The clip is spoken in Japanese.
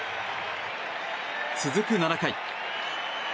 続く７回。